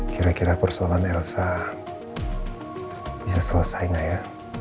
kira kira persoalan elsa bisa selesai nggak ya